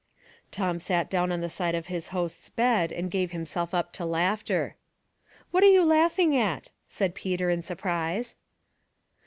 Tom sat down on the side of his host's bed and gave himself up to laughter. "What are you laughing at?" said Peter, in surprise.